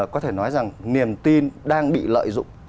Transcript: có thể nói rằng niềm tin đang bị lợi dụng